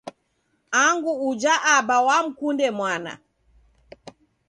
Angu uja aba wamkunde mwana